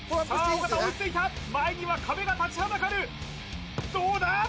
尾形が追いついた前には壁が立ちはだかるどうだ？